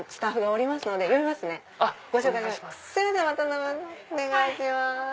お願いします。